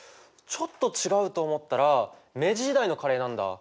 ちょっと違うと思ったら明治時代のカレーなんだ。